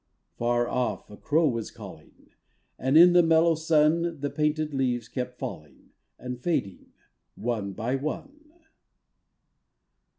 Far off a crow was calling And in the mellow sun The painted leaves kept falling And fading, one by one.